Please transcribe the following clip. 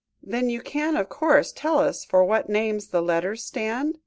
"Then you can, of course, tell us for what names the letters stand?"